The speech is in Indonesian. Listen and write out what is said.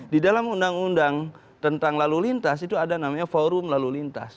di dalam undang undang tentang lalu lintas itu ada namanya forum lalu lintas